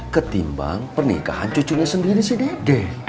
ketimbang pernikahan cucunya sendiri si dede